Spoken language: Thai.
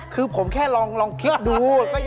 คือผมแค่ลองคิดดู